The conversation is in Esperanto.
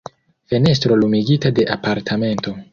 Fenestro lumigita de apartamento.